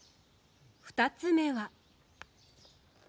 ２つ目は。